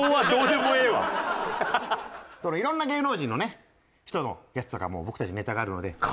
そのいろんな芸能人のね人のやつとかも僕たちネタがあるので。